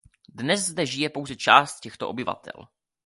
Dnes zde žije pouze část těchto obyvatel.